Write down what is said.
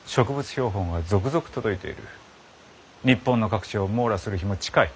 日本の各地を網羅する日も近い。